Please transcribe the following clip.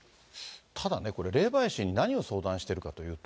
ただね、これ、霊媒師に何を相談しているかというと。